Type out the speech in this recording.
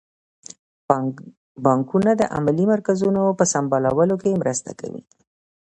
بانکونه د علمي مرکزونو په سمبالولو کې مرسته کوي.